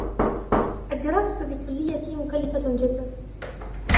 الدراسة بكليتي مكلفة جدًا.